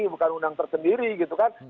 bukan undang tersendiri gitu kan